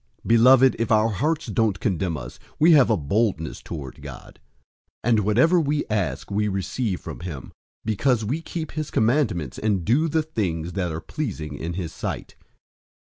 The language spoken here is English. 003:021 Beloved, if our hearts don't condemn us, we have boldness toward God; 003:022 and whatever we ask, we receive from him, because we keep his commandments and do the things that are pleasing in his sight.